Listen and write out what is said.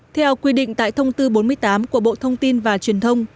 theo quy định tại thông tư bốn mươi tám của bộ thông tin và truyền thông